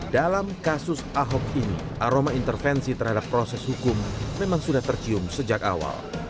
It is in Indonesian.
dalam kasus ahok ini aroma intervensi terhadap proses hukum memang sudah tercium sejak awal